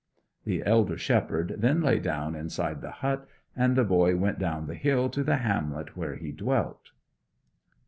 The elder shepherd then lay down inside the hut, and the boy went down the hill to the hamlet where he dwelt.